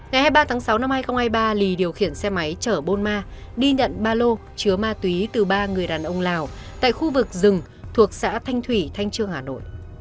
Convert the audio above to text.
ngày hai mươi ba tháng sáu năm hai nghìn hai mươi ba lì điều khiển xe máy chở bôn ma đi nhận ba lô chứa ma túy từ ba người đàn ông lào tại khu vực rừng thuộc xã thanh thủy thanh trương hà nội